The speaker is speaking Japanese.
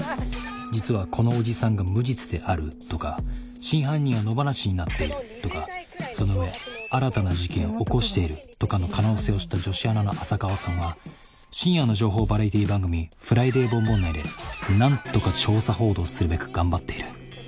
実はこのおじさんが無実であるとか真犯人は野放しになっているとかその上新たな事件を起こしているとかの可能性を知った女子アナの浅川さんは深夜の情報バラエティー番組「フライデーボンボン」内で何とか調査報道するべく頑張っている。